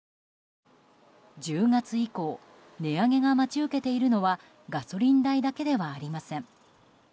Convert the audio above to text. １０月以降値上げが待ち受けているのはガソリン代だけではありません。